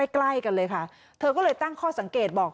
ใกล้กันเลยค่ะเธอก็เลยตั้งข้อสังเกตบอก